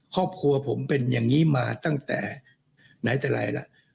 ครอบครัวผมเป็นอย่างนี้มาตั้งแต่ไหนแต่ไรล่ะ